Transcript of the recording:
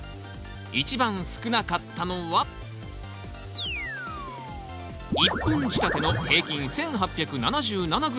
一番少なかったのは１本仕立ての平均１，８７７ｇ。